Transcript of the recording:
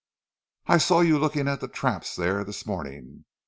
"I saw you looking at the traps there, this morning.